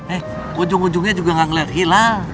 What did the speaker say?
eh ujung ujungnya juga nggak ngelihat hilal